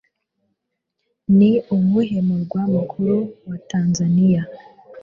ni uwuhe murwa mukuru wa tanzania